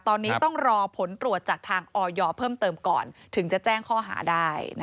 ตอนนี้ต้องรอผลตรวจจากทางออยเพิ่มเติมก่อนถึงจะแจ้งข้อหาได้